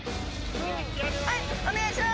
はいお願いします。